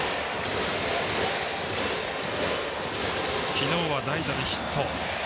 昨日は代打でヒット。